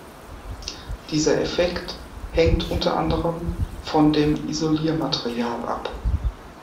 Dieser Effekt hängt unter anderem von dem Isoliermaterial ab.